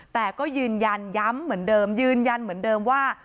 แต่ก็ยืนยันย้ำเหมือนเดิมยืนยันเหมือนเดิมว่า